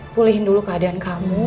pulihin dulu keadaan kamu